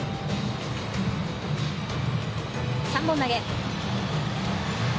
３本投げ。